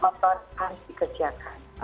makanan harus dikerjakan